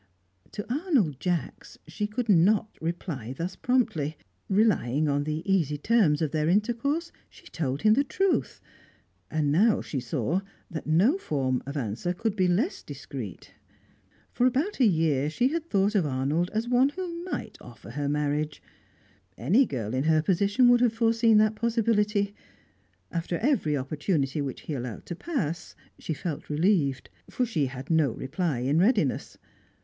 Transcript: To Arnold Jacks she could not reply thus promptly. Relying on the easy terms of their intercourse, she told him the truth; and now she saw that no form of answer could be less discreet. For about a year she had thought of Arnold as one who might offer her marriage; any girl in her position would have foreseen that possibility. After every opportunity which he allowed to pass, she felt relieved, for she had no reply in readiness.